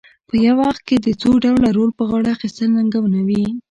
په یو وخت کې د څو ډوله رول په غاړه اخیستل ننګونه وي.